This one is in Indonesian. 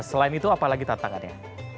selain itu apalagi tantangannya